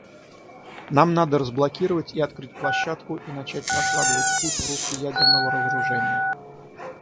Нам надо разблокировать и открыть площадку и начать прокладывать путь в русле ядерного разоружения.